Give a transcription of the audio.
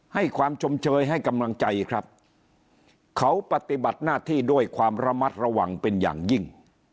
ให้ความชมเชยให้กำลังใจครับเขาปฏิบัติหน้าที่ด้วยความระมัดระวังเป็นอย่างยิ่ง